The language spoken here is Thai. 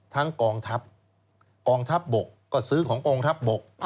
กองทัพกองทัพบกก็ซื้อของกองทัพบก